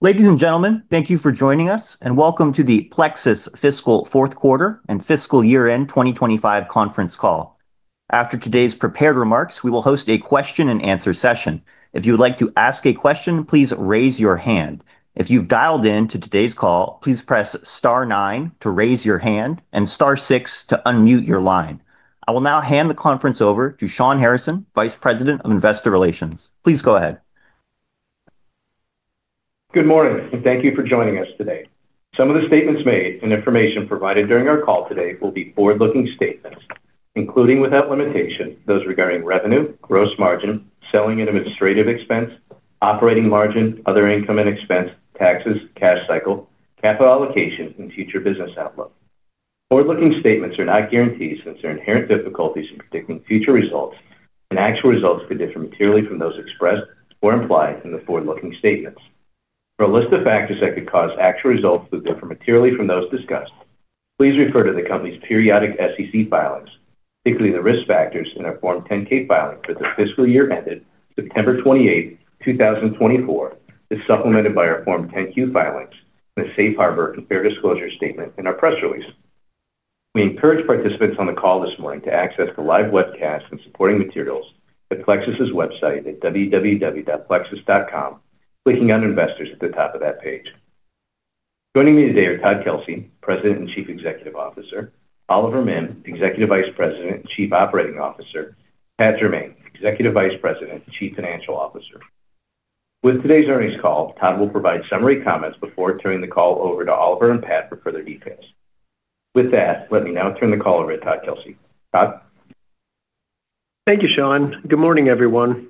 Ladies and gentlemen, thank you for joining us and welcome to the Plexus Fiscal Fourth Quarter and Fiscal Year End 2025 Conference Call. After today's prepared remarks, we will host a question and answer session. If you would like to ask a question, please raise your hand. If you've dialed in to today's call, please press Star 9 to raise your hand and Star 6 to unmute your line. I will now hand the conference over to Shawn Harrison, Vice President of Investor Relations. Please go ahead. Good morning, and thank you for joining us today. Some of the statements made and information provided during our call today will be forward-looking statements, including without limitation those regarding revenue, gross margin, selling and administrative expense, operating margin, other income and expense, taxes, cash cycle, capital allocation, and future business outlook. Forward-looking statements are not guarantees since there are inherent difficulties in predicting future results, and actual results could differ materially from those expressed or implied in the forward-looking statements. For a list of factors that could cause actual results to differ materially from those discussed, please refer to the Company's periodic SEC filings, particularly the risk factors in our Form 10-K filing for the fiscal year ended September 28, 2024, as supplemented by our Form 10-Q filings and the Safe Harbor Compare disclosure statement in our press release. We encourage participants on the call this morning to access the live webcast and supporting materials at the Plexus website at www.plexus.com, clicking on Investors at the top of that page. Joining me today are Todd Kelsey, President and Chief Executive Officer; Oliver Mihm, Executive Vice President, Chief Operating Officer; and Pat Jermain, Executive Vice President, Chief Financial Officer. With today's earnings call, Todd will provide summary comments before turning the call over to Oliver and Pat for further details. With that, let me now turn the call over to Todd Kelsey. Todd? Thank you, Shawn. Good morning, everyone.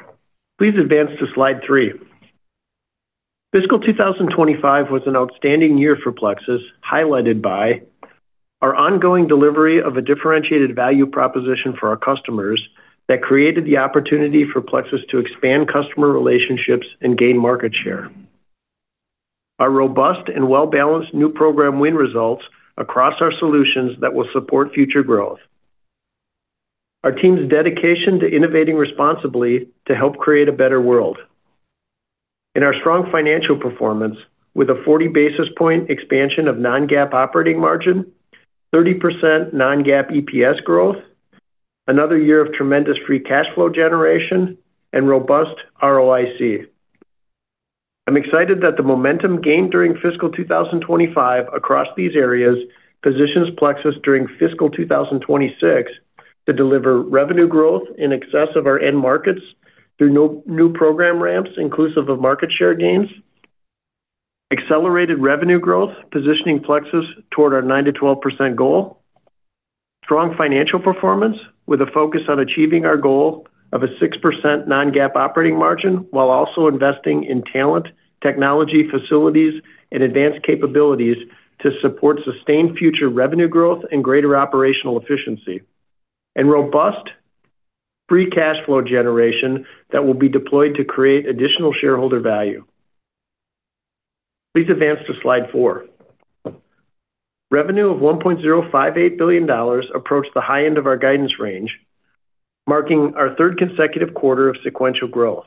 Please advance to Slide 3. Fiscal 2025 was an outstanding year for Plexus, highlighted by our ongoing delivery of a differentiated value proposition for our customers that created the opportunity for Plexus Corp. to expand customer relationships and gain market share. Our robust and well-balanced new program win results across our solutions will support future growth, our team's dedication to innovating responsibly to help create a better world, and our strong financial performance. With a 40 basis point expansion of non-GAAP operating margin, 30% non-GAAP EPS growth, another year of tremendous free cash flow generation, and robust ROIC, I'm excited that the momentum gained during fiscal 2025 across these areas positions Plexus Corp. during fiscal 2026 to deliver revenue growth in excess of our end markets through new program ramps inclusive of market share gains, accelerated revenue growth positioning Plexus toward our 9%-12% goal, strong financial performance with a focus on achieving our goal of a 6% non-GAAP operating margin while also investing in talent, technology, facilities, and advanced capabilities to support sustained future revenue growth and greater operational efficiency, and robust free cash flow generation that will be deployed to create additional shareholder value. Please advance to Slide 4. Revenue of $1.058 billion approached the high end of our guidance range, marking our third consecutive quarter of sequential growth.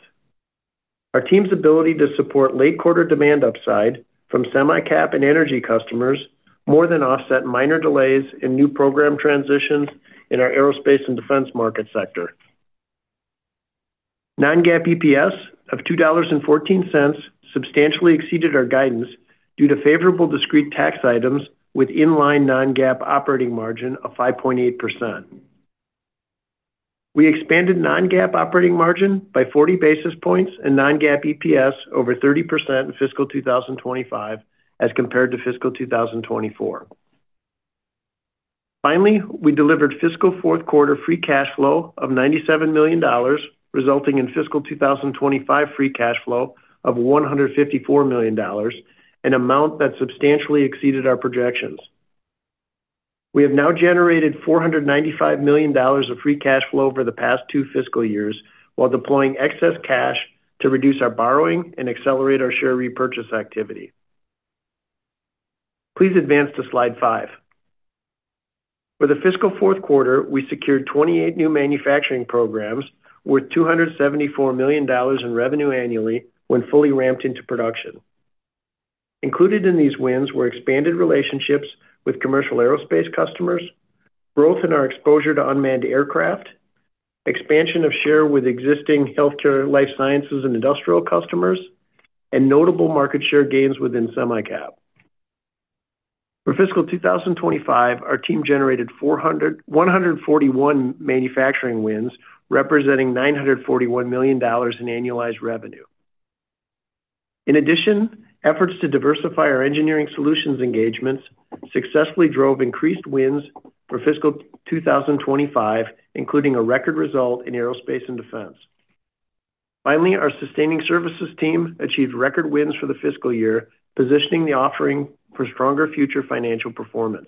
Our team's ability to support late quarter demand upside from semicap and energy customers more than offset minor delays in new program transitions in our aerospace and defense market sector. Non-GAAP EPS of $2.14 substantially exceeded our guidance due to favorable discrete tax items, with inline non-GAAP operating margin of 5.8%. We expanded non-GAAP operating margin by 40 basis points and non-GAAP EPS over 30% in fiscal 2025 as compared to fiscal 2024. Finally, we delivered fiscal fourth quarter free cash flow of $97 million, resulting in fiscal 2025 free cash flow of $154 million, an amount that substantially exceeded our projections. We have now generated $495 million of free cash flow over the past two fiscal years while deploying excess cash to reduce our borrowing and accelerate our share repurchase activity. Please advance to Slide 5. For the fiscal fourth quarter, we secured 28 new manufacturing programs worth $274 million in revenue annually when fully ramped into production. Included in these wins were expanded relationships with commercial aerospace customers, growth in our exposure to unmanned aircraft, expansion of share with existing healthcare, life sciences and industrial customers, and notable market share gains within semicap. For fiscal 2025, our team generated 141 manufacturing wins representing $941 million in annualized revenue. In addition, efforts to diversify our engineering solutions engagements successfully drove increased wins for fiscal 2025, including a record result in aerospace and defense. Finally, our Sustaining Services team achieved record wins for the fiscal year, positioning the offering for stronger future financial performance.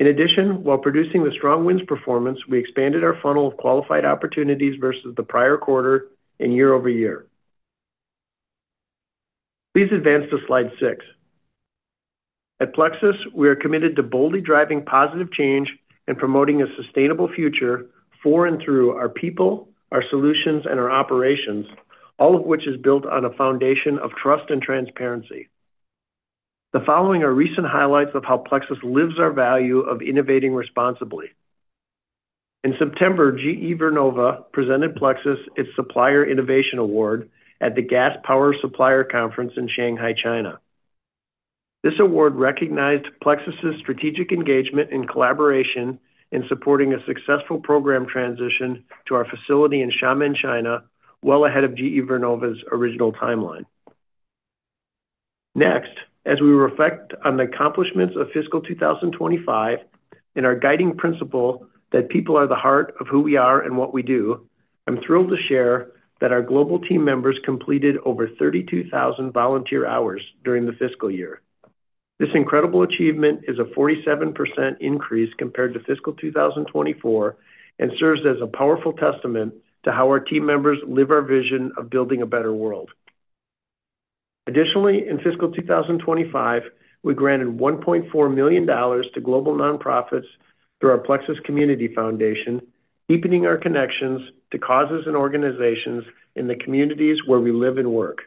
In addition, while producing the strong wins performance, we expanded our funnel of qualified opportunities versus the prior quarter and year-over-year. Please advance to Slide 6. At Plexus, we are committed to boldly driving positive change and promoting a sustainable future for and through our people, our solutions, and our operations, all of which is built on a foundation of trust and transparency. The following are recent highlights of how Plexus lives our value of innovating responsibly. In September, GE Vernova presented Plexus its Supplier Innovation Award at the Gas Power Supplier Conference in Shanghai, China. This award recognized Plexus' strategic engagement and collaboration in supporting a successful program transition to our facility in Xiamen, China, well ahead of GE Vernova's original timeline. Next, as we reflect on the accomplishments of fiscal 2025 and our guiding principle that people are the heart of who we are and what we do, I'm thrilled to share that our global team members completed over 32,000 volunteer hours during the fiscal year. This incredible achievement is a 47% increase compared to fiscal 2024 and serves as a powerful testament to how our team members live our vision of building a better world. Additionally, in fiscal 2025, we granted $1.4 million to global nonprofits through our Plexus Community Foundation, deepening our connections to causes and organizations in the communities where we live and work.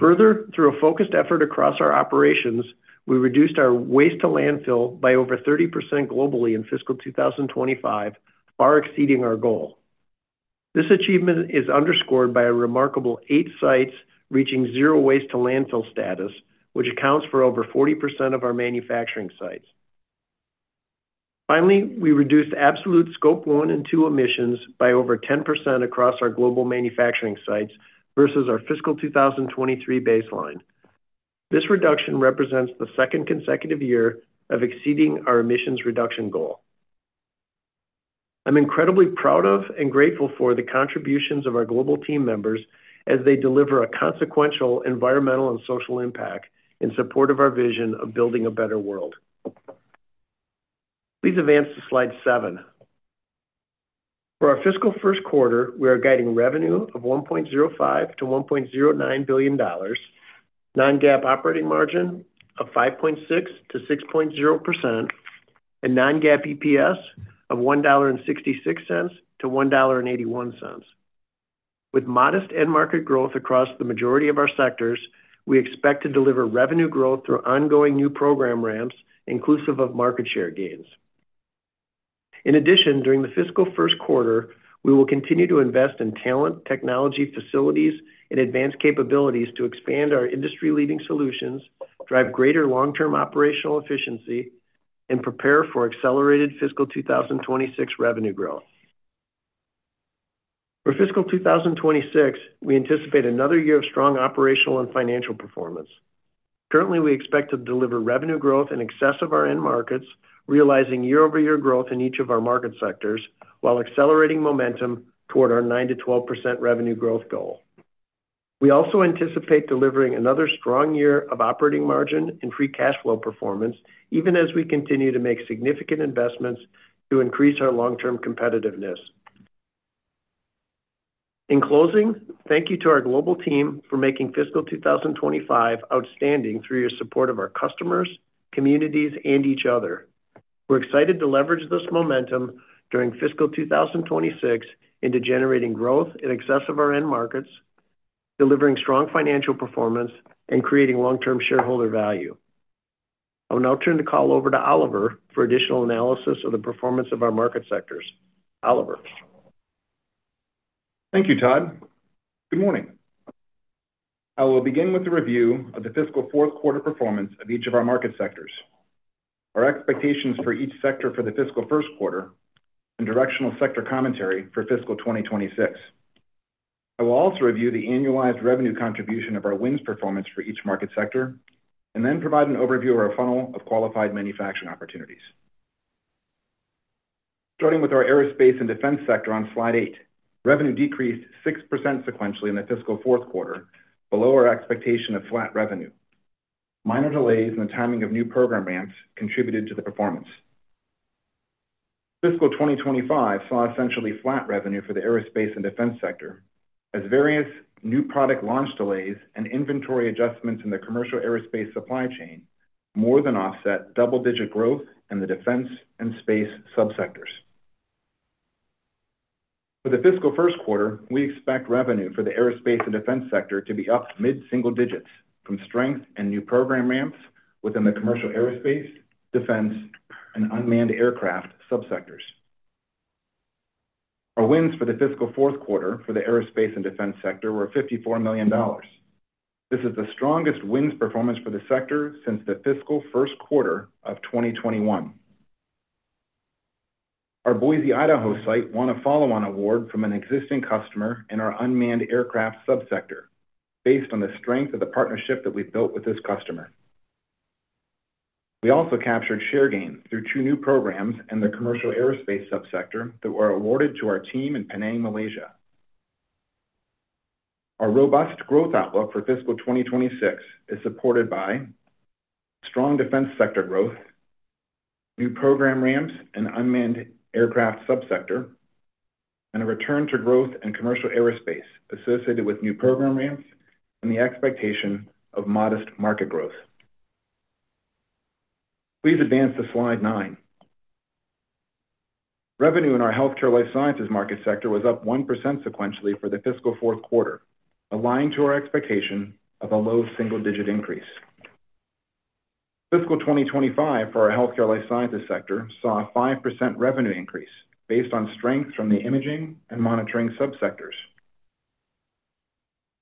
Further, through a focused effort across our operations, we reduced our waste to landfill by over 30% globally in fiscal 2025, far exceeding our goal. This achievement is underscored by a remarkable eight sites reaching zero waste to landfill status, which accounts for over 40% of our manufacturing sites. Finally, we reduced absolute scope 1 and 2 emissions by over 10% across our global manufacturing sites versus our fiscal 2023 baseline. This reduction represents the second consecutive year of exceeding our emissions reduction goal. I'm incredibly proud of and grateful for the contributions of our global team members as they deliver a consequential environmental and social impact in support of our vision of building a better world. Please advance to Slide 7. For our fiscal first quarter, we are guiding revenue of $1.05 billion-$1.09 billion, non-GAAP operating margin of 5.6%-6.0% and non-GAAP EPS of $1.66-$1.81. With modest end market growth across the majority of our sectors, we expect to deliver revenue growth through ongoing ramps inclusive of market share gains. In addition, during the fiscal first quarter, we will continue to invest in talent, technology, facilities and advanced capabilities to expand our industry-leading solutions, drive greater long-term operational efficiency and prepare for accelerated fiscal 2026 revenue growth. For fiscal 2026, we anticipate another year of strong operational and financial performance. Currently, we expect to deliver revenue growth in excess of our end markets, realizing year-over-year growth in each of our market sectors while accelerating momentum toward our 9%-12% revenue growth goal. We also anticipate delivering another strong year of operating margin and free cash flow performance even as we continue to make significant investments to increase our long-term competitiveness. In closing, thank you to our global team for making fiscal 2025 outstanding through your support of our custom communities and each other. We're excited to leverage this momentum during fiscal 2026 into generating growth in excess of our end markets, delivering strong financial performance and creating long-term shareholder value. I will now turn the call over to Oliver for additional analysis of the performance of our market sectors. Oliver. Thank you, Todd. Good morning. I will begin with a review of the fiscal fourth quarter performance of each of our market sectors, our expectations for each sector for the fiscal first quarter, and directional sector commentary for fiscal 2026. I will also review the annualized revenue contribution of our wins performance for each market sector and then provide an overview of our funnel of qualified manufacturing opportunities, starting with our Aerospace and Defense sector on Slide 8. Revenue decreased 6% sequentially in the fiscal fourth quarter, below our expectation of flat revenue. Minor delays in the timing of new program ramps contributed to the performance. Fiscal 2025 saw essentially flat revenue for the Aerospace and Defense sector as various new product launch delays and inventory adjustments in the commercial aerospace supply chain more than offset double-digit growth in the defense and space subsectors. For the fiscal first quarter, we expect revenue for the Aerospace and Defense sector to be up mid-single digits from strength and new program ramps within the commercial aerospace, defense, and unmanned aircraft subsectors. Our wins for the fiscal fourth quarter for the Aerospace and Defense sector were $54 million. This is the strongest wins performance for the sector since the fiscal first quarter of 2021. Our Boise, Idaho site won a follow-on award from an existing customer in our unmanned aircraft subsector based on the strength of the partnership that we've built with this customer. We also captured share gain through two new programs in the commercial aerospace subsector that were awarded to our team in Penang, Malaysia. Our robust growth outlook for fiscal 2026 is supported by strong defense sector growth, new program ramps in the unmanned aircraft subsector, and a return to growth in commercial aerospace associated with new program ramps and the expectation of modest market growth. Please advance to Slide 9. Revenue in our Healthcare Life Sciences market sector was up 1% sequentially for the fiscal fourth quarter, aligned to our expectation of a low single-digit increase. Fiscal 2025 for our Healthcare Life Sciences sector saw a 5% revenue increase based on strength from the imaging and monitoring subsectors.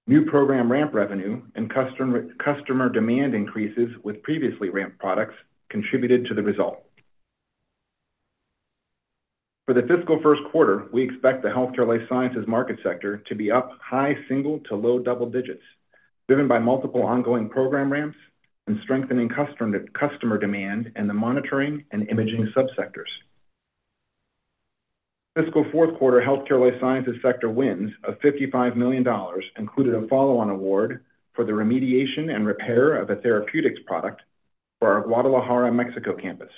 New program ramp revenue and customer demand increases with previously ramped products contributed to the result. For the fiscal first quarter. We expect the Healthcare Life Sciences market sector to be up high single to low double digits, driven by multiple ongoing program ramps and strengthening customer demand in the monitoring and imaging subsectors. Fiscal fourth quarter Healthcare Life Sciences sector wins of $55 million included a follow-on award for the remediation and repair of a therapeutics product for our Guadalajara, Mexico campus.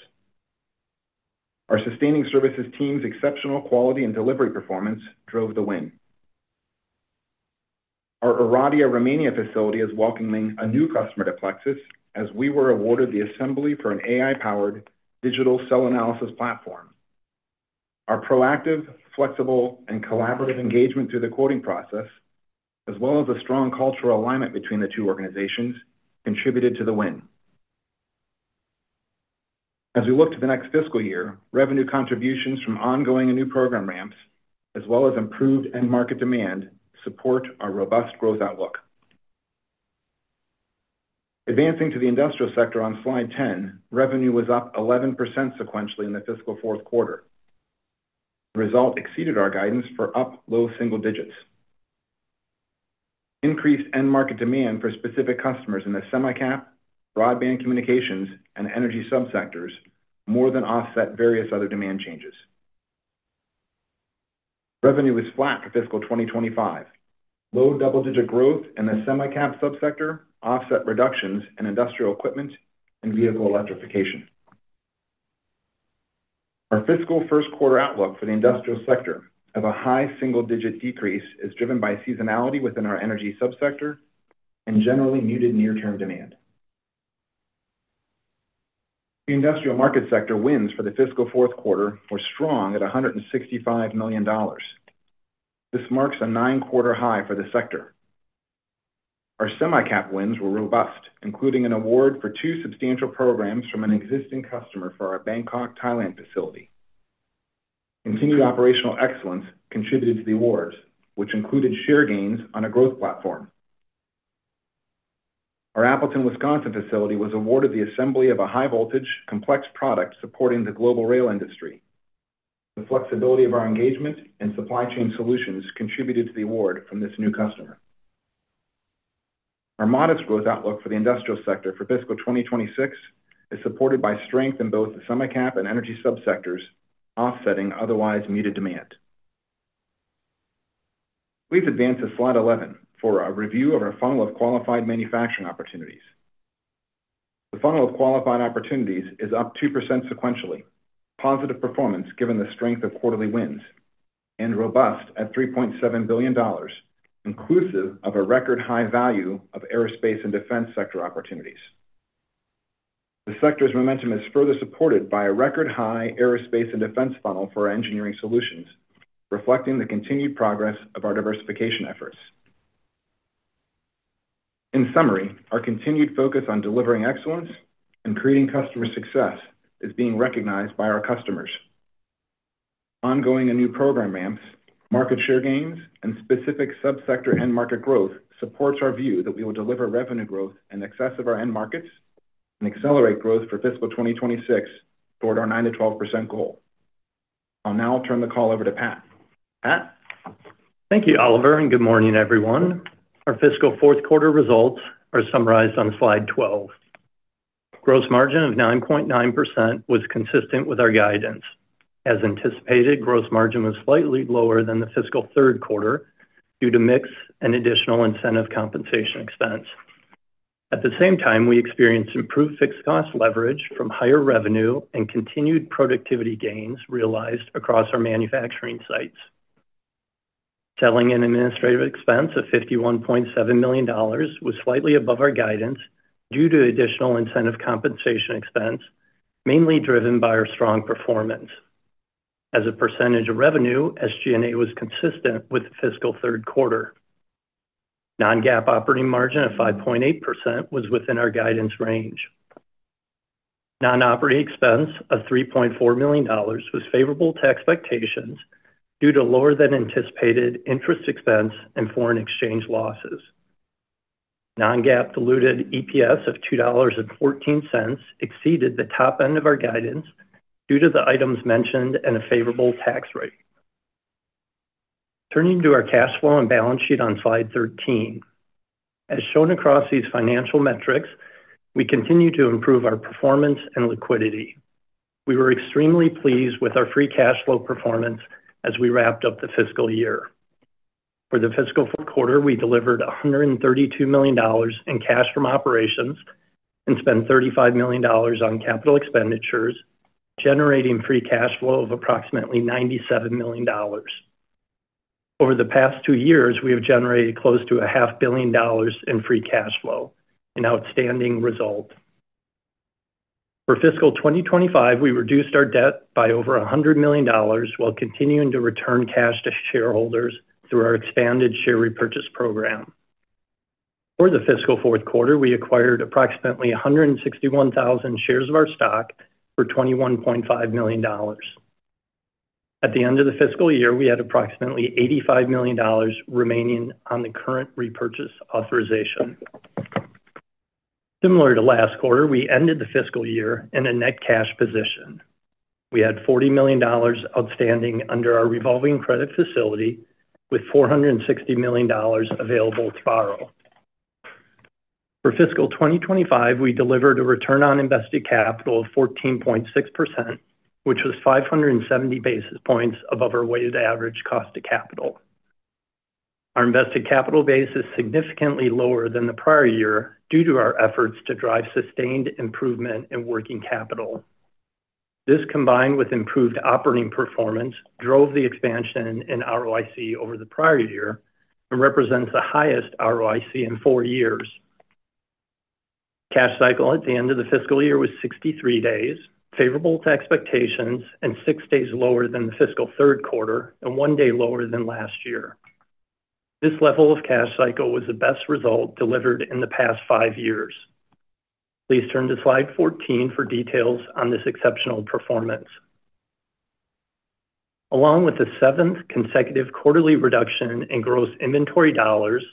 Our sustaining services team's exceptional quality and delivery performance drove the win. Our Irdia, Romania facility is welcoming a new customer to Plexus Corp. as we were awarded the assembly for an AI-powered digital cell analysis platform. Our proactive, flexible, and collaborative engagement through the quoting process, as well as a strong cultural alignment between the two organizations, contributed to the win. As we look to the next fiscal year, revenue contributions from ongoing and new program ramps, as well as improved end market demand, support our robust growth outlook. Advancing to the industrial sector on Slide 10, revenue was up 11% sequentially in the fiscal fourth quarter. The result exceeded our guidance for up low single digits. Increased end market demand for specific customers in the semicap, broadband communications, and energy subsectors more than offset various other demand changes. Revenue was flat for fiscal 2025. Low double digit growth in the semicap subsector offset reductions in industrial equipment and vehicle electrification. Our fiscal first quarter outlook for the industrial sector of a high single digit decrease is driven by seasonality within our energy subsector and generally muted near-term demand. The industrial market sector wins for the fiscal fourth quarter were strong at $165 million. This marks a nine-quarter high for the sector. Our semicap wins were robust, including an award for two substantial programs from an existing customer for our Bangkok, Thailand facility. Continued operational excellence contributed to the awards, which included share gains on a growth platform. Our Appleton, Wisconsin facility was awarded the assembly of a high voltage complex product supporting the global rail industry. The flexibility of our engagement and supply chain solutions contributed to the award from this new customer. Our modest growth outlook for the industrial sector for fiscal 2026 is supported by strength in both the semicap and energy subsectors, offsetting otherwise muted demand. Please advance to Slide 11 for a review of our funnel of qualified manufacturing opportunities. The funnel of qualified opportunities is up 2% sequentially, positive performance given the strength of quarterly wins, and robust at $3.7 billion inclusive of a record high value of aerospace and defense sector opportunities. The sector's momentum is further supported by a record high aerospace and defense funnel for our engineering solutions, reflecting the continued progress of our diversification efforts. In summary, our continued focus on delivering excellence and creating customer success is being recognized by our customers. Ongoing and new program ramps, market share gains, and specific subsector end market growth supports our view that we will deliver revenue growth in excess of our end markets and accelerate growth for fiscal 2026 toward our 9%-12% goal. I'll now turn the call over to Pat. Pat, thank you, Oliver, and good morning, everyone. Our fiscal fourth quarter results are summarized on slide 12. Gross margin of 9.9% was consistent with our guidance, as anticipated. Gross margin was slightly lower than the fiscal third quarter due to mix and additional incentive compensation expense. At the same time, we experienced improved fixed cost leverage from higher revenue and continued productivity gains realized across our manufacturing sites. Selling and administrative expense of $51.7 million was slightly above our guidance due to additional incentive compensation expense, mainly driven by our strong performance as a percentage of revenue. SG&A was consistent with the fiscal third quarter. Non-GAAP operating margin of 5.8% was within our guidance range. Non-operating expense of $3.4 million was favorable to expectations due to lower than anticipated interest expense and foreign exchange losses. Non-GAAP diluted EPS of $2.14 exceeded the top end of our guidance due to the items mentioned and a favorable tax rate. Turning to our cash flow and balance sheet on slide 13, as shown across these financial metrics, we continue to improve our performance and liquidity. We were extremely pleased with our free cash flow performance as we wrapped up the fiscal year. For the fiscal fourth quarter, we delivered $132 million in cash from operations and spent $35 million on capital expenditures, generating free cash flow of approximately $97 million. Over the past two years, we have generated close to a half billion dollars in free cash flow, an outstanding result. For fiscal 2025, we reduced our debt by over $100 million while continuing to return cash to shareholders through our expanded share repurchase program. For the fiscal fourth quarter, we acquired approximately 161,000 shares of our stock for $21.5 million. At the end of the fiscal year, we had approximately $85 million remaining on the current repurchase authorization. Similar to last quarter, we ended the fiscal year in a net cash position. We had $40 million outstanding under our revolving credit facility with $460 million available to borrow. For fiscal 2025, we delivered a return on invested capital of 14.6%, which was 570 basis points above our weighted average cost of capital. Our invested capital base is significantly lower than the prior year due to our efforts to drive sustained improvement in working capital. This, combined with improved operating performance, drove the expansion in ROIC over the prior year and represents the highest ROIC in four years. Cash cycle at the end of the fiscal year was 63 days, favorable to expectations and 6 days lower than the fiscal third quarter and 1 day lower than last year. This level of cash cycle was the best result delivered in the past five years. Please turn to Slide 14 for details on this exceptional performance. Along with the seventh consecutive quarterly reduction in gross inventory dollars,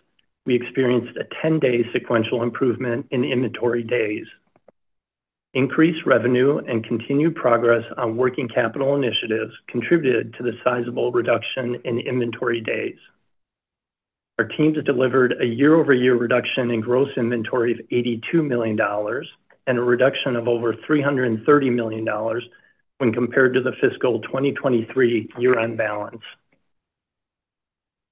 we experienced a 10 day sequential improvement in inventory days. Increased revenue and continued progress on working capital initiatives contributed to the sizable reduction in inventory days. Our teams delivered a year-over-year reduction in gross inventory of $82 million and a reduction of over $330 million. When compared to the fiscal 2023 year end balance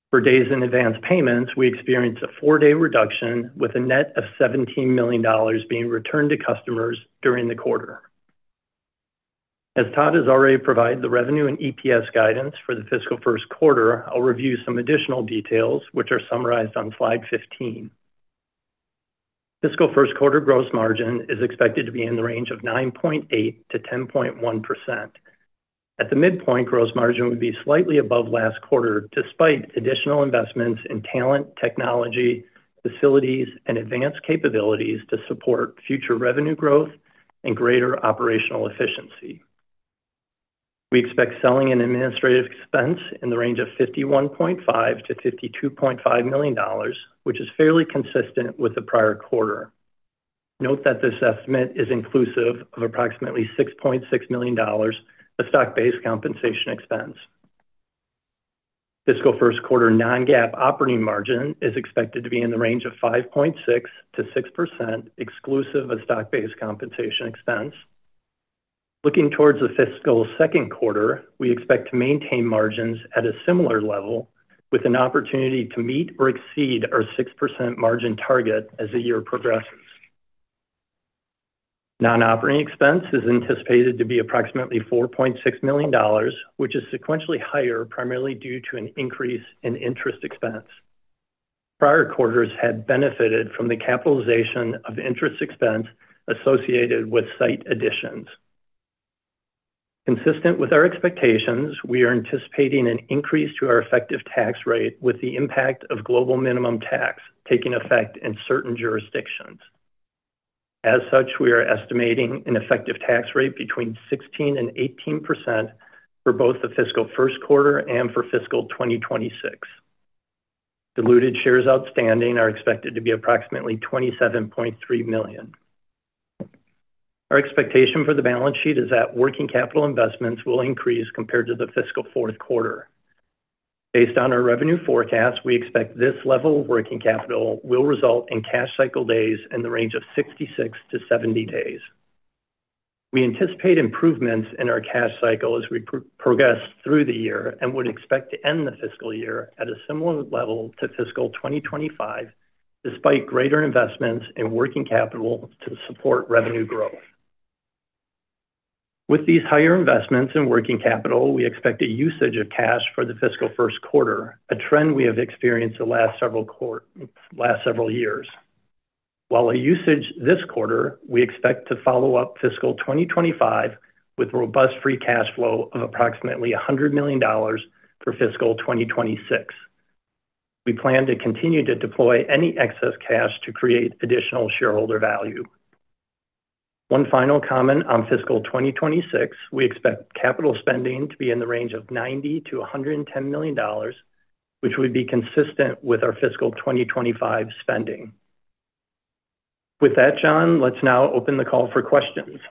for days in advance payments, we experienced a four day reduction with a net of $17 million being returned to customers during the quarter. As Todd has already provided the revenue and EPS guidance for the fiscal first quarter, I'll review some additional details which are summarized on Slide 15. Fiscal first quarter gross margin is expected to be in the range of 9.8% to 10.1%. At the midpoint, gross margin would be slightly above last quarter, despite additional investments in talent, technology, facilities, and advanced capabilities to support future revenue growth and greater operational efficiency. We expect selling and administrative expense in the range of $51.5-$52.5 million, which is fairly consistent with the prior quarter. Note that this estimate is inclusive of approximately $6.6 million of stock based compensation expense. Fiscal first quarter non-GAAP operating margin is expected to be in the range of 5.6%-6%, exclusive of stock based compensation expense. Looking towards the fiscal second quarter, we expect to maintain margins at a similar level with an opportunity to meet or exceed our 6% margin target as the year progresses. Non-operating expense is anticipated to be approximately $4.6 million, which is sequentially higher, primarily due to an increase in interest expense. Prior quarters had benefited from the capitalization of interest expense associated with site additions. Consistent with our expectations, we are anticipating an increase to our effective tax rate with the impact of global minimum tax taking effect in certain jurisdictions. As such, we are estimating an effective tax rate between 16% and 18% for both the fiscal first quarter and for fiscal 2026. Diluted shares outstanding are expected to be approximately 27.3 million. Our expectation for the balance sheet is that working capital investments will increase compared to the fiscal fourth quarter. Based on our revenue forecast, we expect this level of working capital will result in cash cycle days in the range of 66 to 70. We anticipate improvements in our cash cycle as we progress through the year and would expect to end the fiscal year at a similar level to fiscal 2025, despite greater investments in working capital to support revenue growth. With these higher investments in working capital, we expect a usage of cash for the fiscal first quarter, a trend we have experienced the last several years. While a usage this quarter, we expect to follow up fiscal 2025 with robust free cash flow of approximately $100 million. For fiscal 2026, we plan to continue to deploy any excess cash to create additional shareholder value. One final comment on fiscal 2026, we expect capital spending to be in the range of $90 million-$110 million, which would be consistent with our fiscal 2025 spending. With that, John, let's now open the call for questions.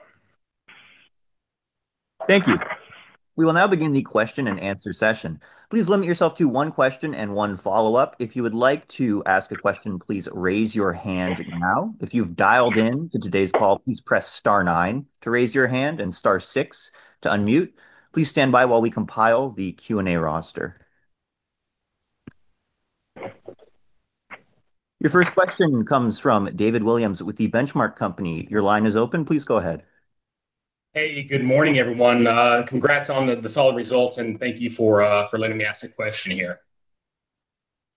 Thank you. We will now begin the question and answer session. Please limit yourself to one question and one follow-up. If you would like to ask a question, please raise your hand. Now, if you've dialed in to today's call, please press *9 to raise your hand and *6 to unmute. Please stand by while we compile the Q&A roster. Your first question comes from David Williams with The Benchmark Company. Your line is open. Please go ahead. Hey, good morning everyone. Congrats on the solid results, and thank you for letting me ask a question here.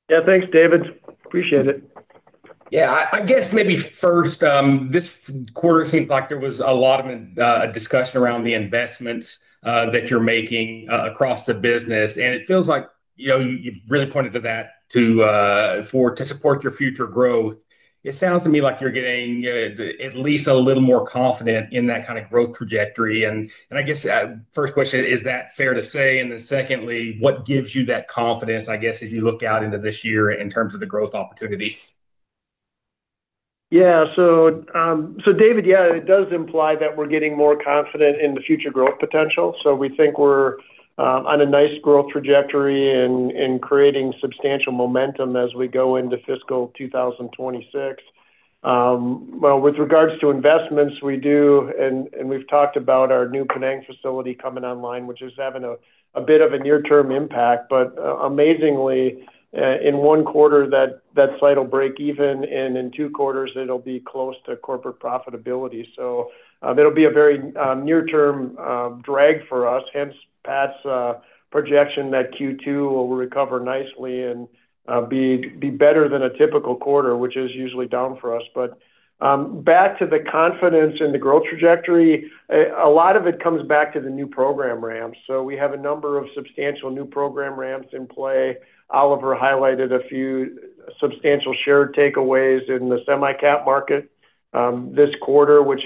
Yeah, thanks, David. Appreciate it. I guess maybe first, this quarter seems like there was a lot of discussion around the investments that you're making across the business, and it feels like you've really pointed to that to support your future growth. It sounds to me like you're getting at least a little more confident in that kind of growth trajectory. I guess, first question, is that fair to say? What gives you that confidence as you look out into this year in terms of the growth opportunity? Yeah. David, yeah, it does imply that we're getting more confident in the future growth potential. We think we're on a nice growth trajectory and creating substantial momentum as we go into fiscal 2026 with regards to investments. We do, and we've talked about our new Penang facility coming online, which is having a bit of a near-term impact. Amazingly, in one quarter that site will break even, and in two quarters it'll be close to corporate profitability. That'll be a very near-term drag for us. Hence Pat's projection that Q2 will recover nicely and be better than a typical quarter, which is usually down for us. Back to the confidence in the growth trajectory, a lot of it comes back to the new program ramps. We have a number of substantial new program ramps in play. Oliver highlighted a few substantial share takeaways in the semicap market this quarter, which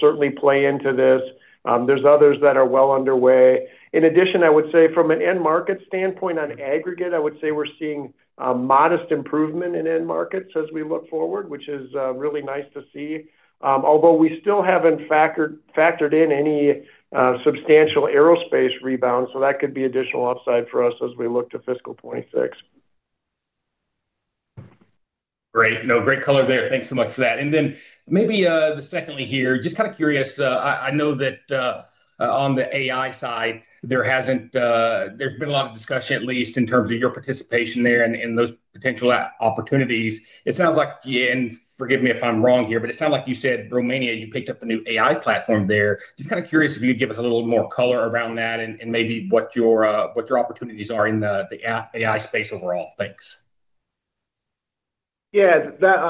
certainly play into this. There are others that are well underway. In addition, I would say from an end market standpoint, on aggregate, we're seeing modest improvement in end markets as we look forward, which is really nice to see. Although we still haven't factored in any substantial aerospace rebound, that could be additional upside for us as we look to fiscal 2026. Great. No great color there. Thanks so much for that. Maybe secondly here, just kind of curious, I know that on the AI side there's been a lot of discussion, at least in terms of your participation there and those potential opportunities. It sounds like, and forgive me if I'm wrong here, but it sounds like you said Romania, you picked up the new AI platform there. Just kind of curious if you could give us a little more color around that and maybe what your opportunities are in the AI space overall. Thanks. Yeah,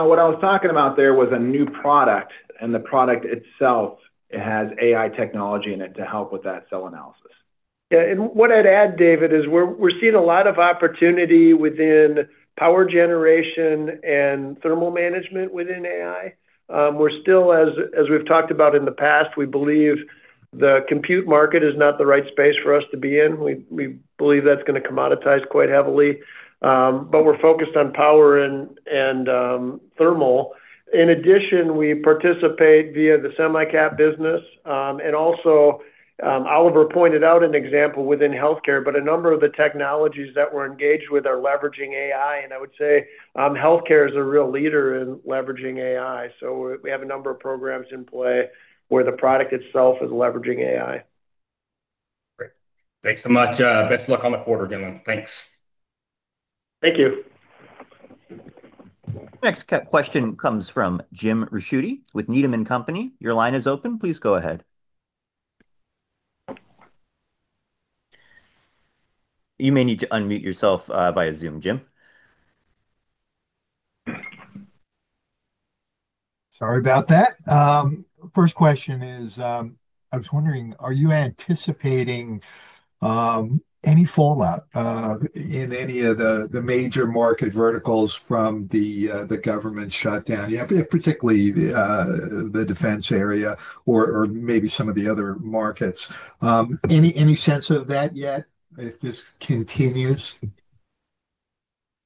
what I was talking about there was a new product, and the product itself, it has AI technology in it to help with that cell analysis. What I'd add, David, is we're seeing a lot of opportunity within power generation and thermal management within AI. As we've talked about in the past, we believe the compute market is not the right space for us to be in. We believe that's going to commoditize quite heavily. We're focused on power and thermal. In addition, we participate via the semicap business. Oliver pointed out an example within healthcare. A number of the technologies that we're engaged with are leveraging AI. I would say healthcare is a real leader in leveraging AI. We have a number of programs in play where the product itself is leveraging AI. Thanks so much. Best of luck on the quarter, Gillin. Thanks. Thank you. Next question comes from Jim Ricchiuti with Needham & Company. Your line is open. Please go ahead. You may need to unmute yourself via Zoom, Jim. Sorry about that. First question is, I was wondering, are you anticipating any fallout in any of the major market verticals from the government shutdown, particularly the defense area or maybe some of the other markets? Any sense of that yet if this continues?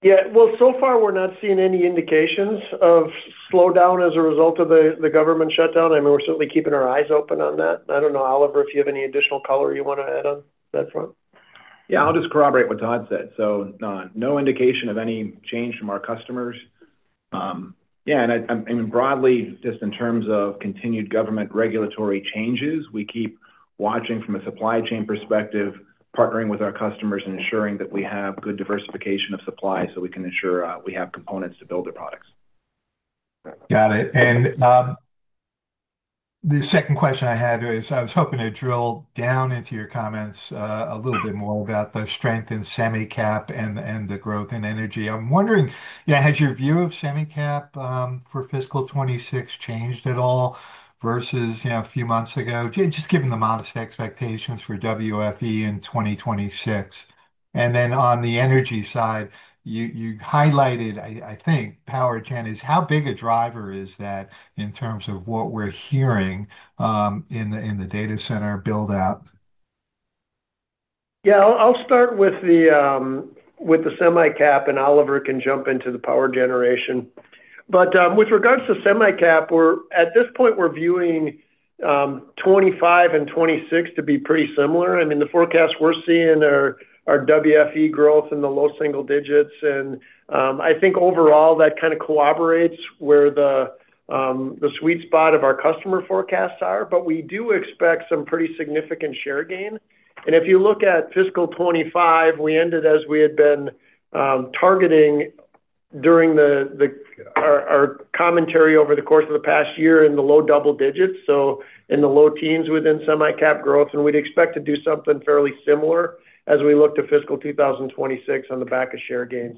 Yeah, so far we're not seeing any indications of slowdown as a result of the government shutdown. I mean, we're certainly keeping our eyes open on that. I don't know, Oliver, if you have any additional color you want to add on that front? I'll just corroborate what Todd said. No indication of any change from our customers. Yeah. Broadly, just in terms of continued government regulatory changes, we keep watching from a supply chain perspective, partnering with our customers and ensuring that we have good diversification of supply so we can ensure we have components to build their products. Got it. The second question I had is I was hoping to drill down into your comments a little bit more about the strength in semicap and the growth in energy. I'm wondering, you know, has your view of semicap for fiscal 2026 changed at all versus, you know, a few months ago, just given the modest expectations for WFE in 2026. On the energy side, you highlighted, I think, power channels. How big a driver is what we're hearing in the data center build out? I'll start with the semicap and Oliver can jump into the power generation. With regards to semicap, at this point we're viewing 2025 and 2026 to be pretty similar. The forecast we're seeing are WFE growth in the low single digits. I think overall that kind of corroborates where the sweet spot of our customer forecasts are. We do expect some pretty significant share gain. If you look at fiscal 2025, we ended as we had been targeting during our commentary over the course of the past year in the low double digits, so in the low teens within semicap growth. We'd expect to do something fairly similar as we look to fiscal 2026 on the back of share gains.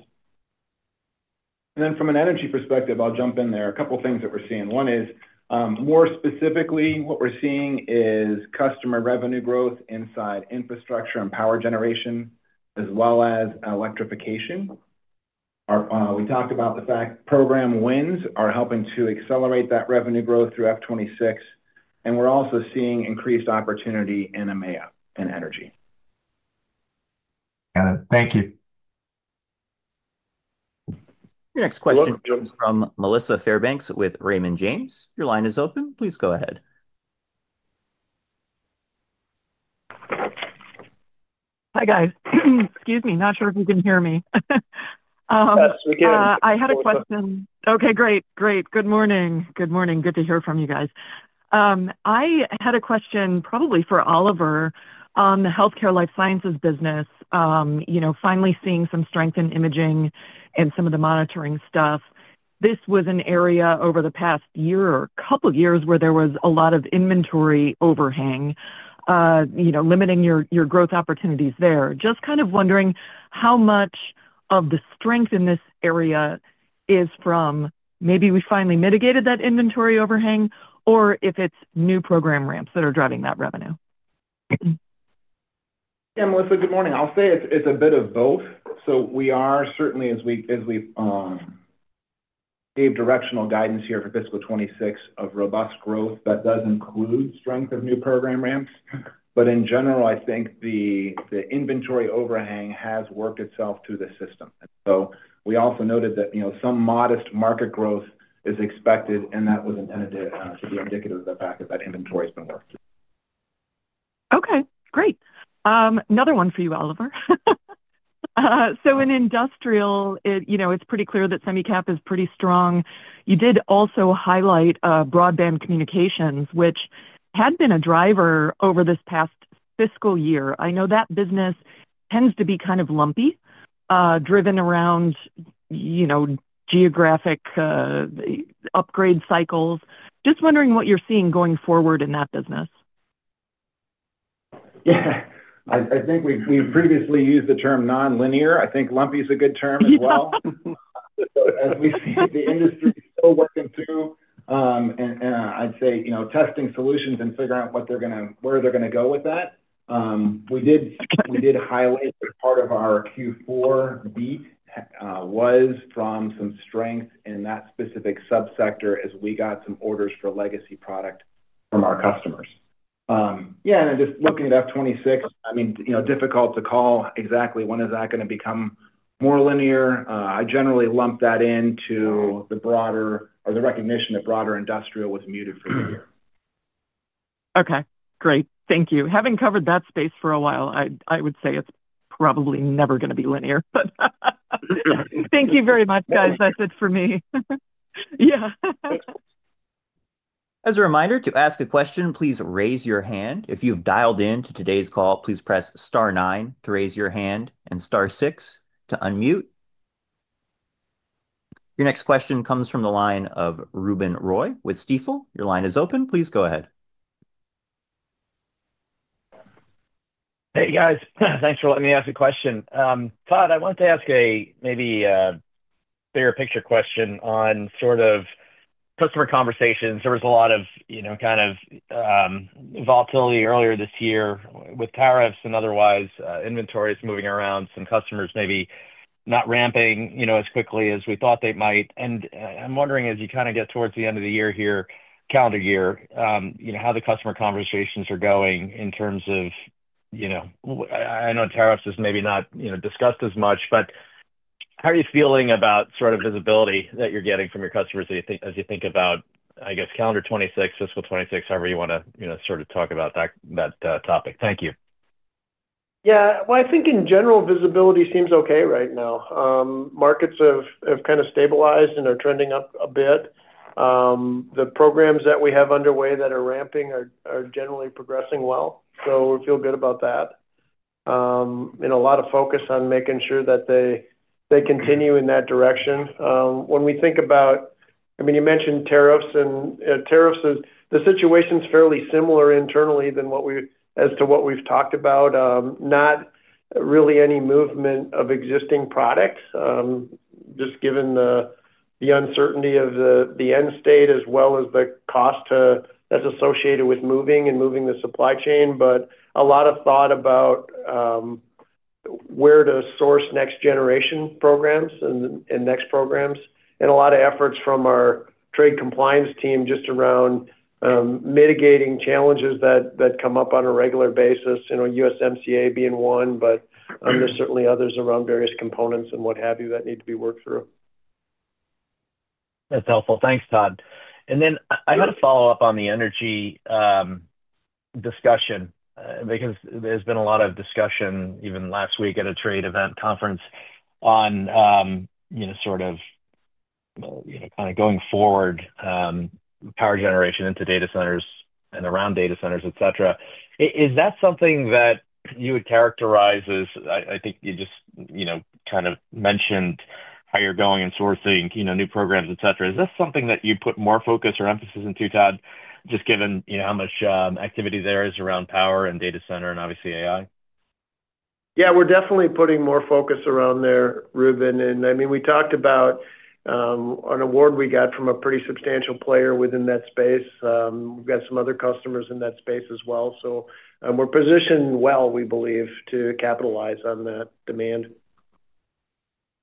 From an energy perspective, I'll jump in. There are a couple things that we're seeing. One is, more specifically, what we're seeing is customer revenue growth inside infrastructure and power generation as well as electrification. We talked about the fact program wins are helping to accelerate that revenue growth through fiscal 2026. We're also seeing increased opportunity in EMEA and energy. Thank you. Your next question from Melissa Fairbanks with Raymond Jim. Your line is open. Please go ahead. Hi guys, excuse me, not sure if you can hear me. I had a question. Okay, great, great. Good morning. Good morning. Good to hear from you guys. I had a question probably for Oliver on the healthcare life sciences business. You know, finally seeing some strength in imaging and some of the monitoring stuff. This was an area over the past year or couple of years where there was a lot of inventory overhang, you know, limiting your growth opportunities. Just kind of wondering how much of the strength in this area is from maybe we finally mitigated that inventory overhang or if it's new program ramps that are driving that revenue. Melissa, good morning. I'll say it's a bit of both. We are certainly, as we gave directional guidance here for fiscal 2026 of robust growth, that does include strength of new program ramps. In general, I think the inventory overhang has worked itself through the system. We also noted that some modest market growth is expected, and that was intended to be indicative of the fact that inventory has been worked. Okay, great. Another one for you, Oliver. In industrial, it's pretty clear that semicap is pretty strong. You did also highlight broadband communications, which had been a driver over this past fiscal year. I know that business tends to be kind of lumpy, driven around geographic upgrade cycles. Just wondering what you're seeing going forward in that business. I think we previously used the term nonlinear. I think lumpy is a good term as well as we see the industry working through. I'd say, you know, testing solutions and figuring out what they're going to, where they're going to go with that. We did highlight part of our Q4 beat was from some strength in that specific subsector as we got some orders for legacy product from our customers. Yeah. Looking at F26, I mean, you know, difficult to call. Exactly when is that going to become more linear? I generally lump that into the broader or the recognition that broader industrial was muted for the year. Okay, great. Thank you. Having covered that space for a while, I would say it's probably never going to be linear, but thank you very much, guys. That's it for me. Yeah. As a reminder to ask a question, please raise your hand if you've dialed in to today's call. Please press Star 9 to raise your hand and Star 6 to unmute. Your next question comes from the line of Reuben Roy with Stifel. Your line is open. Please go ahead. Hey, guys, thanks for letting me ask a question. Todd, I want to ask a maybe bigger picture question on sort of customer conversations. There was a lot of volatility earlier this year with tariffs and otherwise inventories moving around, some customers maybe not ramping as quickly as we thought they might. I'm wondering, as you kind of get towards the end of the year here, calendar year, how the customer conversations are going in terms of, I know tariffs is maybe not discussed as much, but how are you feeling about sort of visibility that you're getting from your customers as you think about, I guess, calendar 2026, fiscal 2026, however you want to, you know, sort of talk about that topic. Thank you. Yeah. I think in general, visibility seems okay right now. Markets have kind of stabilized and are trending up a bit. The programs that we have underway that are ramping are generally progressing well. We feel good about that and a lot of focus on making sure that they continue in that direction. You mentioned tariffs and tariffs. The situation's fairly similar internally as to what we've talked about. Not really any movement of existing products, just given the uncertainty of the end state as well as the cost that's associated with moving and moving the supply chain. A lot of thought about where to source next generation programs and next programs and a lot of efforts from our trade compliance team just around mitigating challenges that come up on a regular basis. USMCA being one, but there's certainly others around various components and what have you that need to be worked through. That's helpful. Thanks, Todd. I had a follow up. On the energy. There's been a lot of discussion, even last week at a trade event conference, on kind of going forward power generation into data centers and around data centers, etc. Is that something that you would characterize as, I think you just kind of mentioned how you're going and sourcing new programs, et cetera. Is this something that you put more focus or emphasis into, Todd, just given how much activity there is around power and data center and obviously AI? Yeah, we are definitely putting more focus around there, Ruben. I mean, we talked about an award we got from a pretty substantial player within that space. We have some other customers in that space as well, so we are positioned well, we believe, to capitalize on that demand.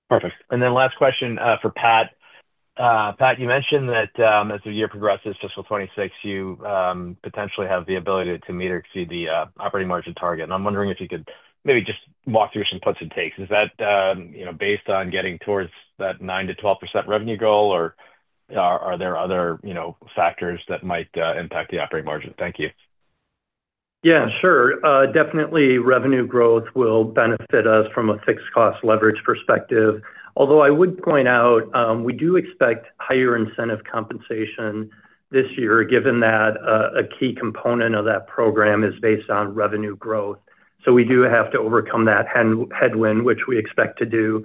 Perfect. Last question for Pat. Pat, you mentioned that as the year progresses, fiscal 2026, you potentially have the ability to meet or exceed the operating margin target. I'm wondering if you could maybe just walk through some puts and takes. Is that based on getting towards that 9%-12% revenue goal or are there other factors that might impact the operating margin? Thank you. Yeah, sure. Definitely, revenue growth will benefit us from a fixed cost leverage perspective. Although I would point out we do expect higher incentive compensation this year given that a key component of that program is based on revenue growth. We do have to overcome that headwind, which we expect to do.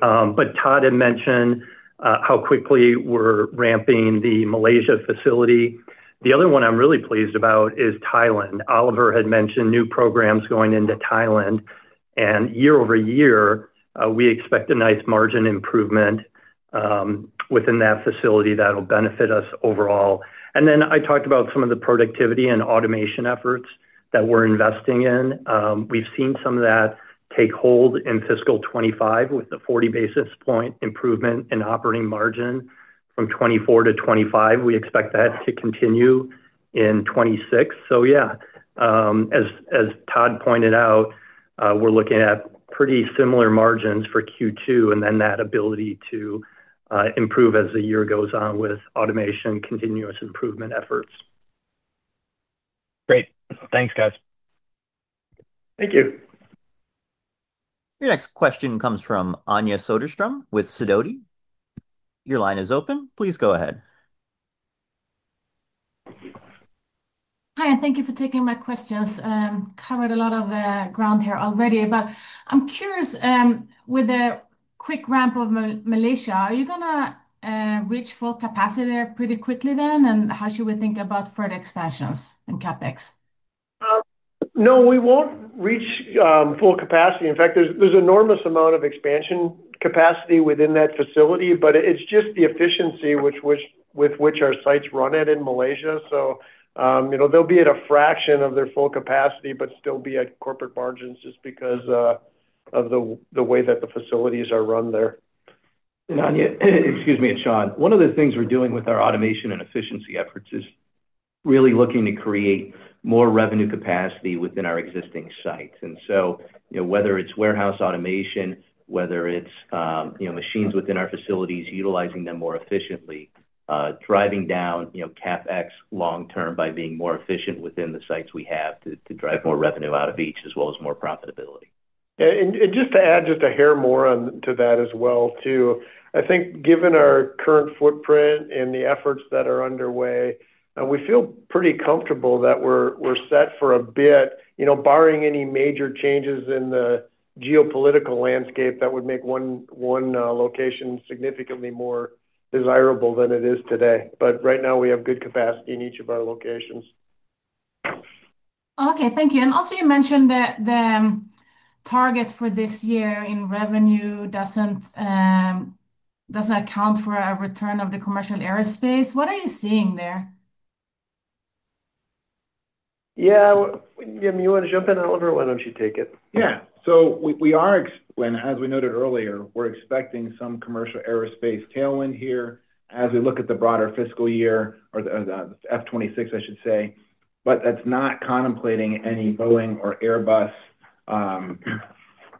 Todd had mentioned how quickly we're ramping the Malaysia facility. The other one I'm really pleased about is Thailand. Oliver had mentioned new programs going into Thailand and year-over-year we expect a nice margin improvement within that facility that will benefit us overall. I talked about some of the productivity and automation efforts that we're investing in. We've seen some of that take hold in fiscal 2025 with the 40 basis point improvement in operating margin from 2024 to 2025. We expect that to continue in 2026. As Todd pointed out, we're looking at pretty similar margins for Q2 and that ability to improve as the year goes on with automation and continuous improvement efforts. Great. Thanks, guys. Thank you. Your next question comes from Anja Soderstrom with Sidoti. Your line is open. Please go ahead. Hi, and thank you for taking my questions. Covered a lot of ground here already. I'm curious, with a quick ramp of Penang, Malaysia, are you going to reach full capacity pretty quickly then? How should we think about further expansions and CapEx? No, we won't reach full capacity. In fact, there's an enormous amount of expansion capacity within that facility. It's just the efficiency with which our sites run it in Malaysia. They'll be at a fraction of their full capacity but still be at corporate margins just because of the way that the facilities are run there. Excuse me, it's Shawn. One of the things we're doing with our automation and efficiency efforts are really looking to create more revenue capacity within our existing sites. Whether it's warehouse automation or machines within our facilities, utilizing them more efficiently, driving down CapEx long term by being more efficient within the sites, we have to drive more revenue out of each as well as more profitability. To add just a hair more to that as well, I think given our current footprint and the efforts that are underway, we feel pretty comfortable that we're set for a bit. Barring any major changes in the geopolitical landscape that would make one location significantly more desirable than it is today, right now we have good capacity in each of our locations. Thank you. You mentioned that the target for this year in revenue doesn't account for a return of the commercial aerospace. What are you seeing there? Yeah, you want to jump in? Oliver, why don't you take it? Yeah. We are, as we noted earlier, expecting some commercial aerospace tailwind here as we look at the broader fiscal year, or fiscal 2026, I should say, but that's not contemplating any Boeing or Airbus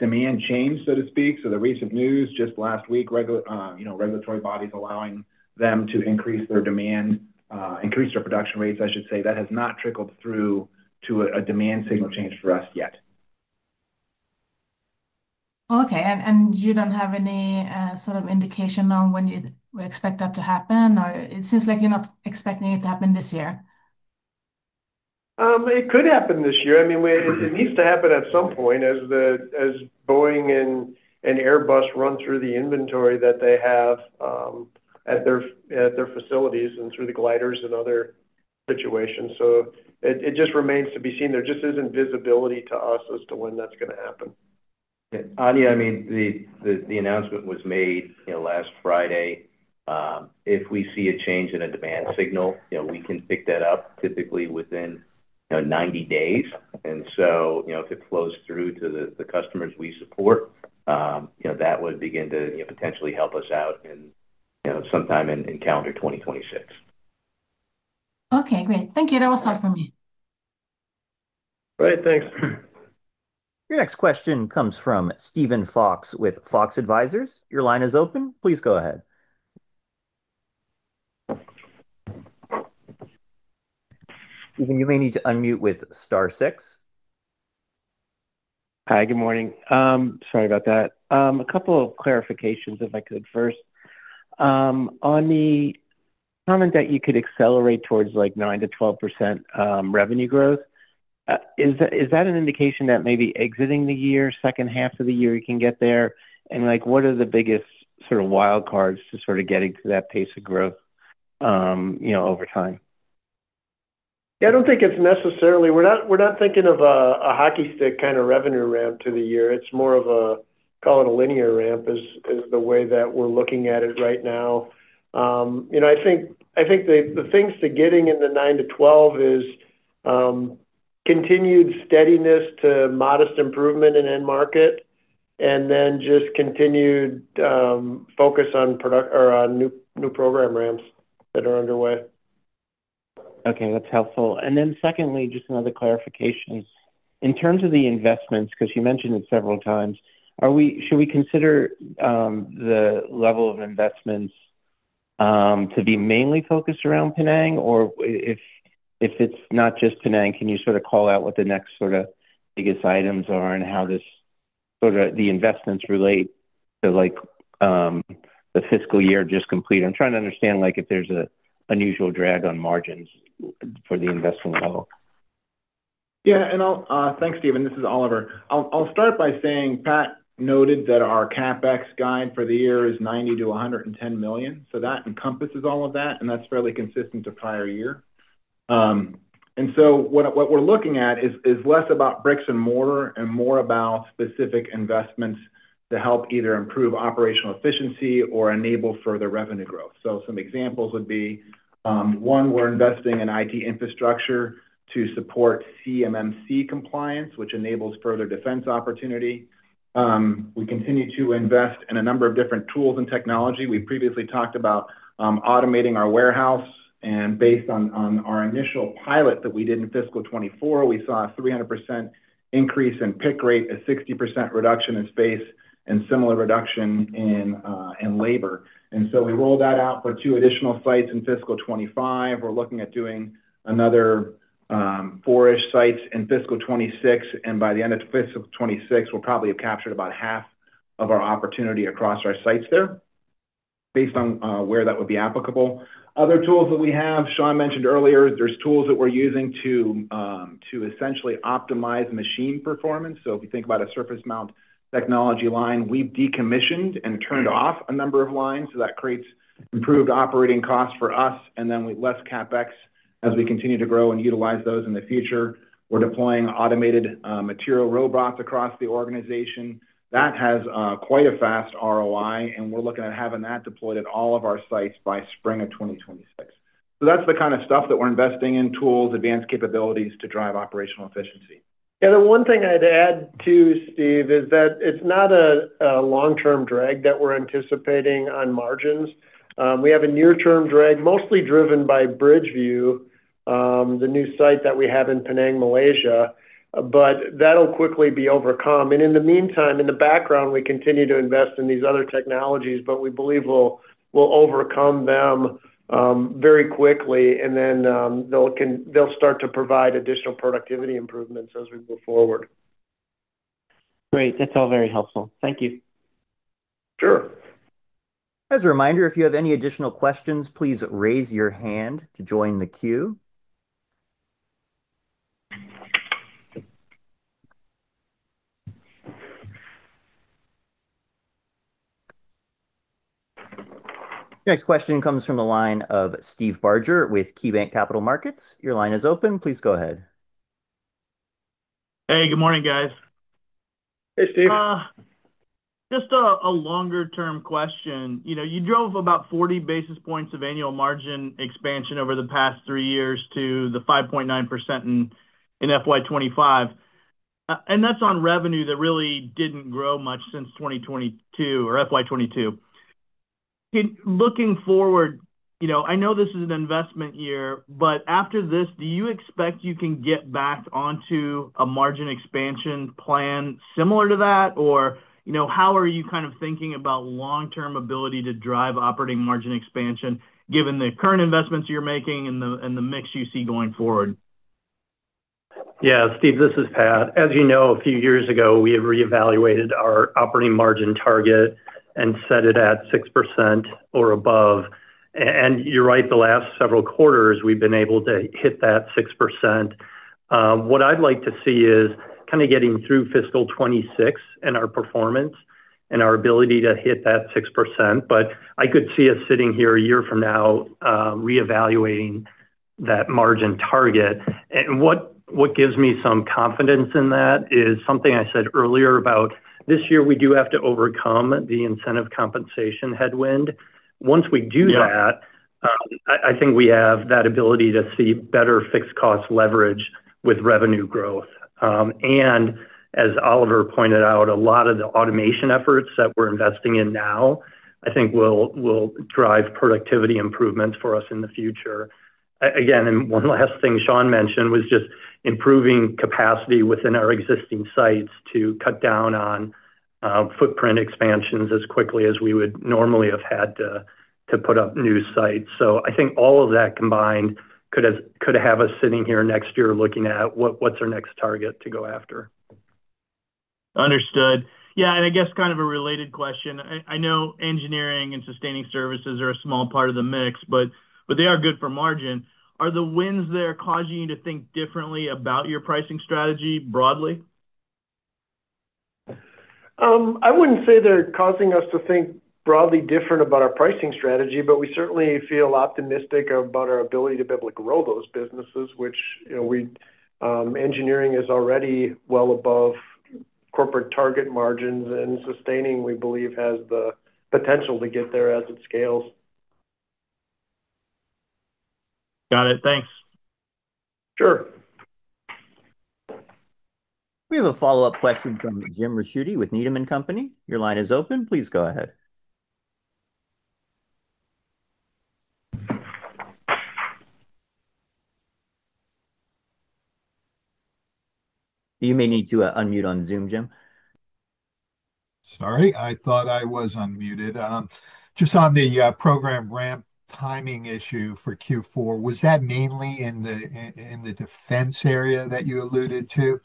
demand change, so to speak. The recent news just last week, regulatory bodies allowing them to increase their production rates, I should say, has not trickled through to a demand signal change for us yet. Okay. You do not have any sort of indication on when you expect that to happen, or it seems like you're not expecting it to happen this year? It could happen this year. I mean it needs to happen at some point as Boeing and Airbus run through the inventory that they have at their facilities and through the gliders and other situations. It just remains to be seen. There just isn't visibility to us as to when that's going to happen. Anja, the announcement was made last Friday. If we see a change in a demand signal, we can pick that up typically within 90 days. If it flows through to the customers we support, that would begin to potentially help us out sometime in calendar 2026. Okay, great, thank you. That was all for me. Great, thanks. Your next question comes from Stephen Fox with Fox Advisors. Your line is open. Please go ahead. Stephen, you may need to unmute with Star six. Hi, good morning. Sorry about that. A couple of clarifications if I could. First, on the comment that you could accelerate towards like 9%-12% revenue growth, is that an indication that maybe exiting the year, second half of the year you can get there? What are the biggest sort of wild cards to sort of getting to that pace of growth, you know, over time? Yeah, I don't think it's necessarily, we're not thinking of a hockey stick kind of revenue ramp to the year. It's more of a, call it a linear ramp is the way that we're looking at it right now. I think the things to getting in the 9%-12% is continued steadiness to modest improvement in end market and then just continued focus on product or new, new program ramps that are underway. Okay, that's helpful. Secondly, just another clarification in terms of the investments because you mentioned. It several times, are we, should we consider the level of investments to be mainly focused around Penang. If it's not just Penang, can you sort of call out what the next sort of biggest items are and how this sort of the investments relate to like the fiscal year just complete. I'm trying to understand if there's an unusual drag on margins for the investment level. Yeah. Thanks, Steve. This is Oliver. I'll start by saying Pat noted that our CapEx guide for the year is $90 million-$110 million. That encompasses all of that and that's fairly consistent to prior year. What we're looking at is less about bricks and mortar and more about specific investments to help either improve operational efficiency or enable further revenue growth. Some examples would be, one, we're investing in IT infrastructure to support CMMC compliance, which enables further defense opportunity. We continue to invest in a number of different tools and technology. We previously talked about automating our warehouse and based on our initial pilot that we did in fiscal 2024, we saw a 300% increase in pick rate, a 60% reduction in space, and similar reduction in labor. We rolled that out for two additional sites in fiscal 2025. We're looking at doing another four-ish sites in fiscal 2026. By the end of fiscal 2026, we'll probably have captured about half of our opportunity across our sites there based on where that would be applicable. Other tools that we have, Shawn mentioned earlier, there's tools that we're using to essentially optimize machine performance. If we think about a surface mount technology line, we've decommissioned and turned off a number of lines. That creates improved operating costs for us and then less CapEx as we continue to grow and utilize those in the future. We're deploying automated material robots across the organization. That has quite a fast ROI and we're looking at having that deployed at all of our sites by spring of 2026. That's the kind of stuff that we're investing in: tools, advanced capabilities to drive operational efficiency. The one thing I'd add to Steve is that it's not a long-term drag that we're anticipating on margins. We have a near-term drag, mostly driven by Bridgeview, the new site that we have in Penang, Malaysia. That'll quickly be overcome. In the meantime, in the background, we continue to invest in these other technologies. We believe we'll overcome them very quickly and then they'll start to provide additional productivity improvements as we move forward. Great. That's all very helpful. Thank you. Sure. As a reminder, if you have any additional questions, please raise your hand to join the queue. Next question comes from the line of Steve Barger with KeyBanc Capital Markets. Your line is open. Please go ahead. Hey, good morning, guys. Hey, Steve. Just a longer term question. You know, you drove about 40 basis points of annual margin expansion over the past three years to the 5.9% in FY25. That's on revenue that really didn't grow much since 2022 or FY22. Looking forward, I know this is an investment year, but after this, do you expect you can get back onto a margin expansion plan similar to that or, you know, how are you kind of thinking about long term ability to drive operating margin expansion given the current investments you're making and the mix you see going forward? Yeah. Steve, this is Pat. As you know, a few years ago we reevaluated our operating margin target and set it at 6% or above. You're right, the last several quarters we've been able to hit that 6%. What I'd like to see is kind of getting through fiscal 2026 and our performance and our ability to hit that 6%. I could see us sitting here a year from now reevaluating that margin target. What gives me some confidence in that is something I said earlier about this year. We do have to overcome the incentive compensation headwind. Once we do that, I think we have that ability to see better fixed cost leverage with revenue growth. As Oliver pointed out, a lot of the automation efforts that we're investing in now I think will drive productivity improvements for us in the future again. One last thing Shawn mentioned was just improving capacity within our existing sites to cut down on footprint expansions as quickly as we would normally have had to to put up new sites. I think all of that combined could have us sitting here next year looking at what's our next target to go after. Understood. Yeah. I guess kind of a related question. I know engineering and sustaining services are a small part of the mix, but they are good for margin. Are the wins there causing you to think differently about your pricing strategy broadly? I wouldn't say they're causing us to think broadly different about our pricing strategy, but we certainly feel optimistic about our ability to be able to grow those businesses, which engineering is already well above corporate target margins and sustaining, we believe, has the potential to get there as it scales. Got it. Thanks. Sure. We have a follow-up question from Jim Ricchiuti with Needham & Company. Your line is open. Please go ahead. You may need to unmute on Zoom. Jim. Sorry, I thought I was unmuted. Just on the program ramp timing issue for Q4, was that mainly in the defense area that you alluded to?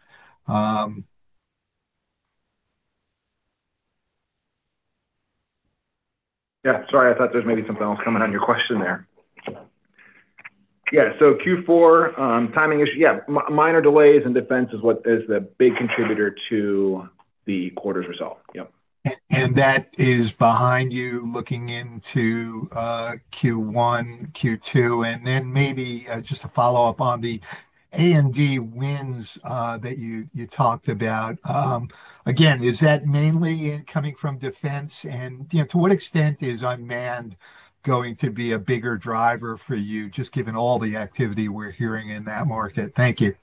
Yeah, sorry, I thought there was maybe something else coming on your question there. Yeah. Q4 timing is. Yeah. Minor delays in defense is what is the big contributor to the quarter's result. Yep. That is behind you looking into Q1, Q2, and then maybe just a follow-up on the A and D wins that you talked about. Again, is that mainly coming from defense, and to what extent is unmanned going to be a bigger driver for you, just given all the activity we're hearing in that market? Thank you.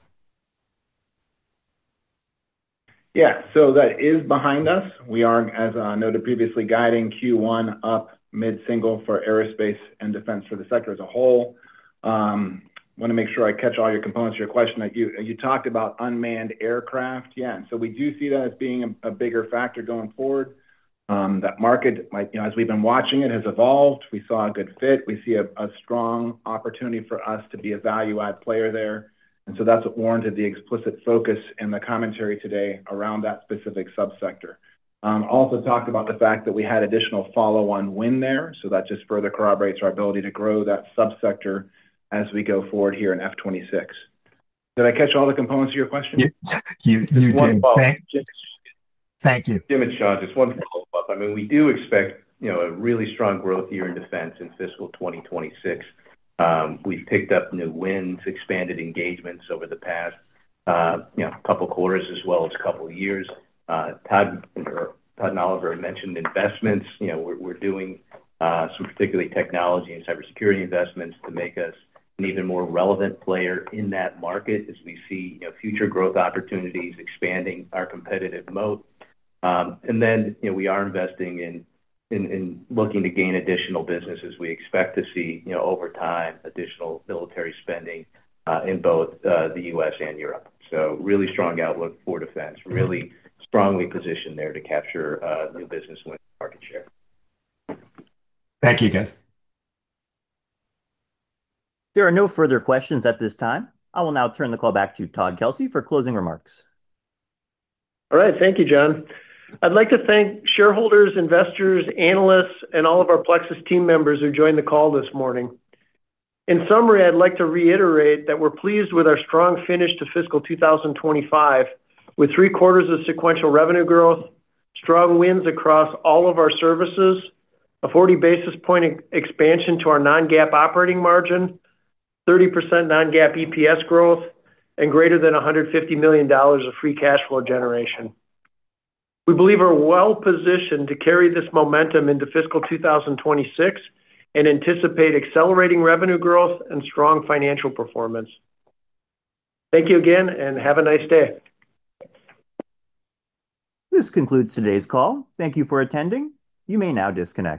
Yeah, so that is behind us. We are, as noted previously, guiding Q1 up mid single for aerospace and defense, for the sector as a whole. I want to make sure I catch all your components. Your question that you talked about, unmanned aircraft. Yeah, we do see that as being a bigger factor going forward. That market as we've been watching it, has evolved. We saw a good fit. We see a strong opportunity for us to be a value add player there. That is what warranted the explicit focus and the commentary today around that specific subsector. Also talked about the fact that we had additional follow on win there. That just further corroborates our ability to grow that subsector as we go forward here in F26. Did I catch all the components of your question? You did, thank you. Jim it's Shawn, just one follow-up. I mean we do expect, you know, a really strong growth year in defense in fiscal 2026. We've picked up new wins, expanded engagements over the past, you know, couple quarters as well as couple years. Todd, or Todd and Oliver mentioned investments. You know, we're doing so, particularly technology and cybersecurity investments to make us an even more relevant player in that market as we see future growth opportunities, expanding our competitive moat. We are investing in looking to gain additional businesses. We expect to see over time additional military spending in both the U.S. and Europe. Really strong outlook for defense, really strongly positioned there to capture new business winning market share. Thank you. Again, there are no further questions at this time. I will now turn the call back to Todd Kelsey for closing remarks. All right, thank you, John. I'd like to thank shareholders, investors, analysts, and all of our Plexus team members who joined the call this morning. In summary, I'd like to reiterate that we're pleased with our strong finish to fiscal 2025 with three quarters of sequential revenue growth, strong wins across all of our services, a 40 basis point expansion to our non-GAAP operating margin, 30% non-GAAP EPS growth, and greater than $150 million of free cash flow generation. We believe we're well positioned to carry this momentum into fiscal 2026 and anticipate accelerating revenue growth and strong financial performance. Thank you again and have a nice day. This concludes today's call. Thank you for attending. You may now disconnect.